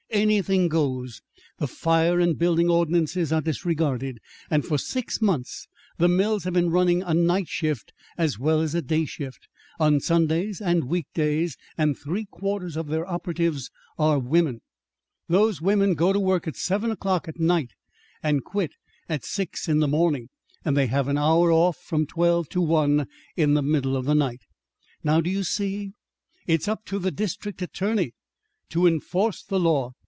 Anything goes. The fire and building ordinances are disregarded, and for six months the mills have been running a night shift as well as a day shift, on Sundays and week days, and three quarters of their operatives are women. Those women go to work at seven o'clock at night, and quit at six in the morning; and they have an hour off from twelve to one in the middle of the night. "Now do you see? It's up to the district attorney to enforce the law.